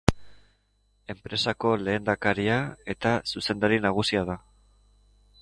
Enpresako lehendakaria eta zuzendari nagusia da.